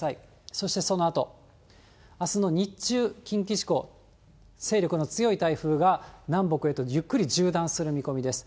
そして、そのあと、あすの日中、近畿地方、勢力の強い台風が南北へとゆっくり縦断する見込みです。